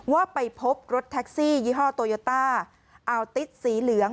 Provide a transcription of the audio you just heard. ว่าไปพบรถแท็กซี่ยี่ห้อโตโยต้าอาวติสีเหลือง